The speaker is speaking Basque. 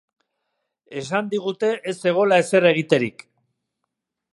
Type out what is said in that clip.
Esan digute ez zegoela ezer egiterik.